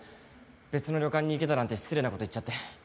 別の旅館に行けだなんて失礼な事言っちゃって。